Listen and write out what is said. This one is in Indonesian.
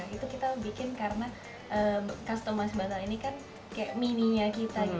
itu kita bikin karena customer bantal ini kan kayak mini nya kita gitu